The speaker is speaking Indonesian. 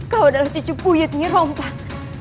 kau adalah cucu puyut yang dirompak